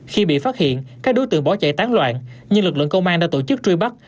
khi bị phát hiện các đối tượng bỏ chạy tán loạn nhưng lực lượng công an đã tổ chức truy bắt